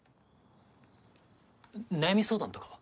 悩み相談とかは？